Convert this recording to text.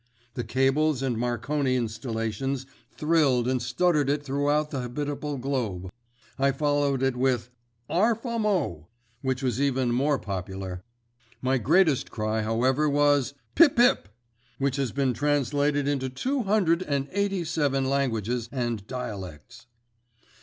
the cables and Marconi installations thrilled and stuttered it throughout the habitable globe. I followed it with ''Arf a mo',' which was even more popular. My greatest cry, however, was 'Pip pip!' which has been translated into two hundred and eighty seven languages and dialects."